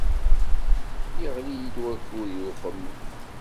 Yeɣli-yi-d wakud i uxemmem.